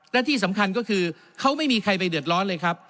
และที่สำคัญก็คือเขาไม่มีใครไปเดือดร้อนเลยครับ